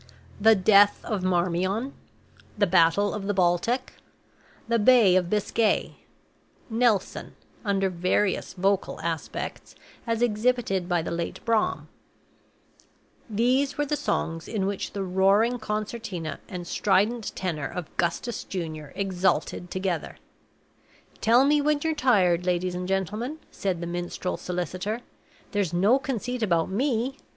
"The Death of Marmion," "The Battle of the Baltic," "The Bay of Biscay," "Nelson," under various vocal aspects, as exhibited by the late Braham these were the songs in which the roaring concertina and strident tenor of Gustus Junior exulted together. "Tell me when you're tired, ladies and gentlemen," said the minstrel solicitor. "There's no conceit about me.